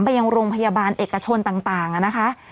ยังโรงพยาบาลเอกชนต่างนะคะ